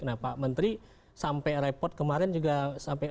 nah pak menteri sampai repot kemarin juga sampai